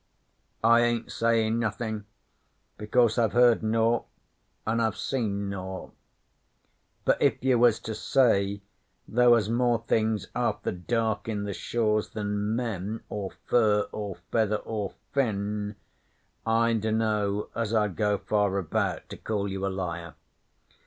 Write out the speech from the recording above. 'I ain't sayin' nothin', because I've heard naught, an' I've see naught. But if you was to say there was more things after dark in the shaws than men, or fur, or feather, or fin, I dunno as I'd go far about to call you a liar.